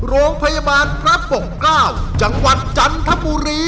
โรงพยาบาลพระปกเกล้าจังหวัดจันทบุรี